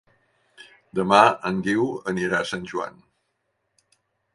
Demà en Guiu anirà a Sant Joan.